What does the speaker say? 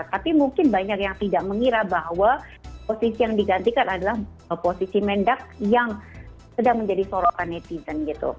tapi mungkin banyak yang tidak mengira bahwa posisi yang digantikan adalah posisi mendak yang sedang menjadi sorotan netizen gitu